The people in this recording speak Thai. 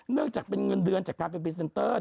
เนื่องจากเป็นเงินเดือนจากการเป็นพรีเซนเตอร์